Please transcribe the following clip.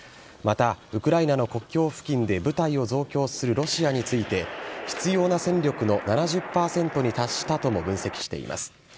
また、ウクライナの国境付近で部隊を増強するロシアについて、必要な戦力の７０％に達したとも分析しています。